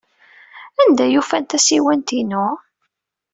Anda ay ufan tasiwant-inu?